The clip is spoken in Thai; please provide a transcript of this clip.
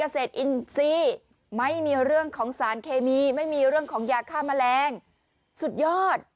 สะด่าแมลงสุดยอด